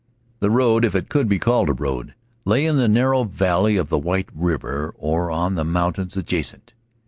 The road, if it could be called a road, lay in the narrow valley of White River or on the mountains adjacent.